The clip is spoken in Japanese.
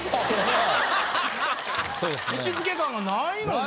行きつけ感がないので。